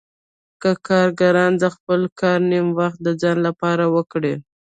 که کارګران د خپل کار نیم وخت د ځان لپاره وکړي